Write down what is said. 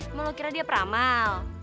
emang lo kira dia peramal